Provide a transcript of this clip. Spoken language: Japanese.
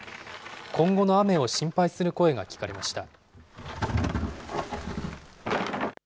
今後の雨を心配する声が聞かれました。